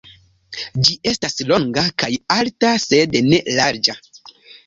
Ĝi estas longa kaj alta sed ne larĝa.